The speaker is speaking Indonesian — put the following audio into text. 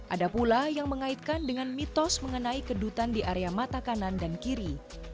ada pula yang mengaitkan dengan mitos mengenai kedutan di area mata kanan dan kiri